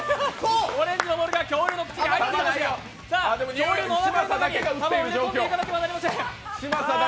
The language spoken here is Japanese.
恐竜のおなかの中に弾を入れ込んでいかなければいけません。